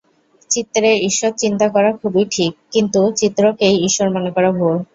চিত্রে ঈশ্বরচিন্তা করা খুবই ঠিক, কিন্তু চিত্রকেই ঈশ্বর মনে করা ভুল।